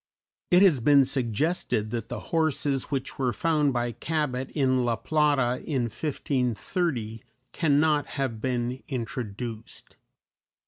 It has been suggested that the horses which were found by Cabot in La Plata in 1530 cannot have been introduced."